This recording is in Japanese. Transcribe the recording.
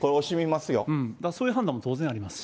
そういう判断も当然ありますし。